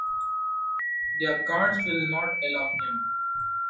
Their guards will not allow him.